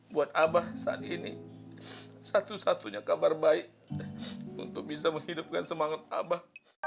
buat abah saat ini satu satunya kabar baik untuk bisa menghidupkan semangat abah